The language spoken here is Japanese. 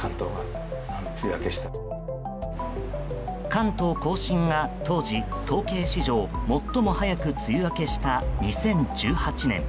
関東・甲信が当時、観測史上最も早く梅雨明けした２０１８年。